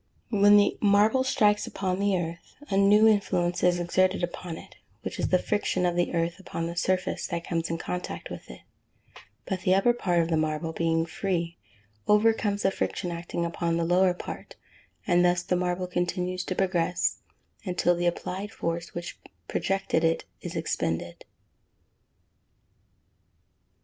When the marble strikes upon the earth, a new influence is exerted upon it, which is the friction of the earth upon the surface that comes in contact with it; but the upper part of the marble, being free, overcomes the friction acting upon the lower part, and thus the marble continues to progress, until the applied force which projected it is expended.